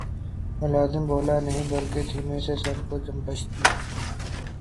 ملازم بولا نہیں بلکہ دھیمے سے سر کو جنبش دی